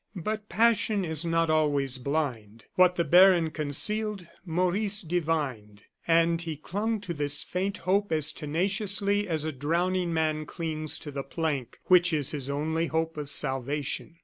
But passion is not always blind. What the baron concealed, Maurice divined; and he clung to this faint hope as tenaciously as a drowning man clings to the plank which is his only hope of salvation.